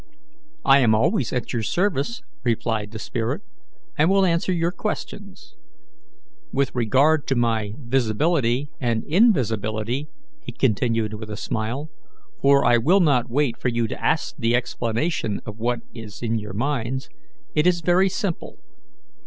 "I am always at your service," replied the spirit, "and will answer your questions. With regard to my visibility and invisibility" he continued, with a smile, "for I will not wait for you to ask the explanation of what is in your minds it is very simple.